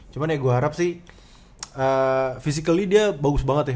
cuman ya gue harap sih physically dia bagus banget ya